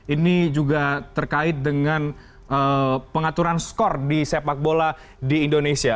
ini juga terkait dengan pengaturan skor di sepak bola di indonesia